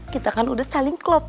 kita kan udah saling klop